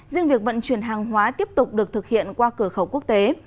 riêng việc vận chuyển hàng hóa tiếp tục được thực hiện qua cửa khẩu quốc tế